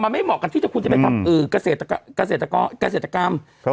มันไม่เหมาะกับที่คุณจะไปทำเกษตรเกษตรกรรม